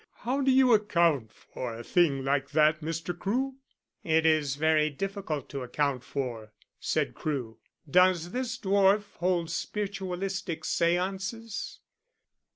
How do you account for a thing like that, Mr. Crewe?" "It is very difficult to account for," said Crewe. "Does this dwarf hold spiritualistic séances?"